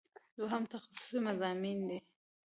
دوهم تخصصي مضامین دي.